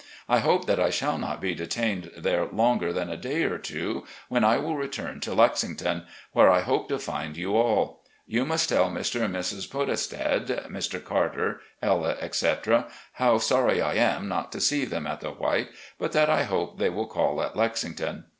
I hope that I shall not be detained there longer than a day or two, when I will return to Lexington, where I hope to find you all. You must tell Mr. and Mrs. Podestad, Mr. Carter, Ella, etc., how sorry I am not to see them at the White, but that I hope they will call at Lexington.